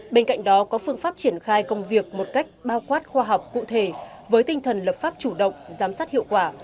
bên cạnh đó có phương pháp triển khai công việc một cách bao quát khoa học cụ thể với tinh thần lập pháp chủ động giám sát hiệu quả